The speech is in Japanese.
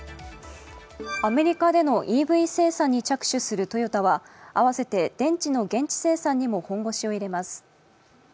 アメリカでのＥＶ生産に着手するトヨタは、あわせて電池の現地生産にも本腰を入れます。